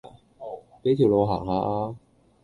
俾條路行下吖